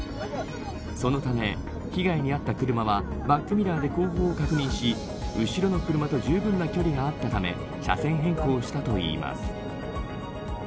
そのため被害にあった車はバックミラーで後方を確認し後ろの車とじゅうぶんな距離があったため車線変更したといいます。